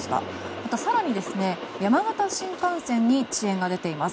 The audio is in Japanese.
また、更に山形新幹線に遅延が出ています。